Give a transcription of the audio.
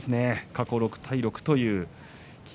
過去６対６という霧